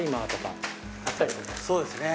そうですね。